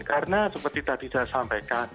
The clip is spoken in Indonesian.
karena seperti tadi saya sampaikan